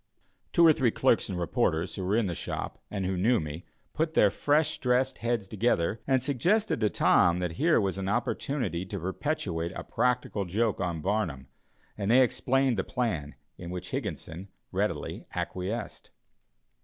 Two or three clerks and reporters, who were in the shop, and who knew me, put their freshly dressed heads together and suggested to Tom that here was an opportunity to perpetrate a practical joke on Barnum, and they explained the plan, in which Higginson readily acquiesced.